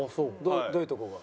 どういうところが？